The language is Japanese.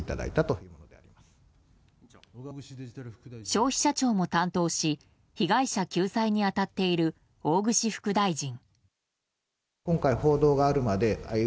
消費者庁も担当し被害者救済に当たっている大串副大臣。